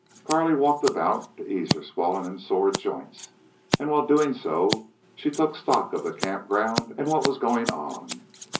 Carley walked about to ease her swollen and sore joints, and while doing so she took stock of the camp ground and what was going on.